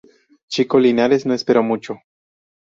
Chico Linares no esperó mucho.